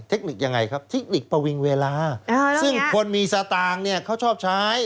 เทคนิคยังไงครับเทคนิคประวิงเวลาซึ่งคนมีสตางค์เนี่ยเขาชอบใช้